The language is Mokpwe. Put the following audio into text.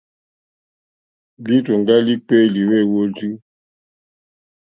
Lírzòŋgá líkpéélì wêhwórzí.